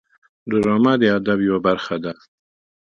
ډرامه د ادب یوه برخه ده